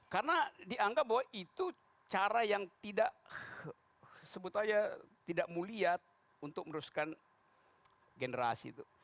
karena dianggap bahwa itu cara yang tidak sebut aja tidak mulia untuk merusakan generasi itu